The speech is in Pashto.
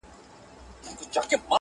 خیر که حاسدان د زمانې راته یو شوي دي